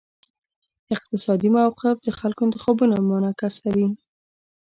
اقتصادي موقف د خلکو انتخابونه منعکسوي.